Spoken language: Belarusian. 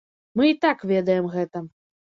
Мы і так ведаем гэта.